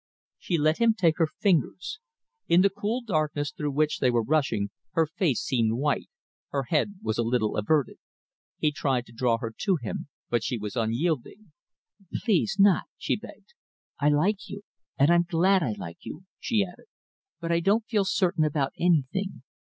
She let him take her fingers. In the cool darkness through which they were rushing her face seemed white, her head was a little averted. He tried to draw her to him, but she was unyielding. "Please not," she begged. "I like you and I'm glad I like you," she added, "but I don't feel certain about anything.